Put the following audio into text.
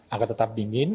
agar tetap dingin